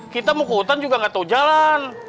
kita mau ke hutan juga gak tau jalan